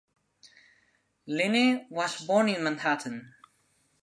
Linney was born in Manhattan.